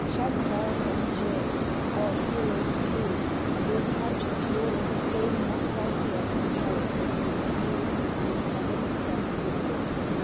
Shamgars and Jairs! our heroes true, Your types of yore Gain not by fair comparison with you, In heaven sent lore.